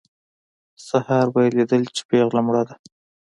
سهار به یې لیدل چې پېغله مړه ده.